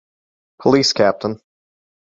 Police Capt.